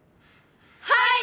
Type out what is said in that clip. はい！